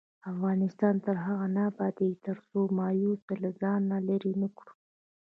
افغانستان تر هغو نه ابادیږي، ترڅو مایوسي له ځانه لیرې نکړو.